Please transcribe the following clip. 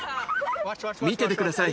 見ててください。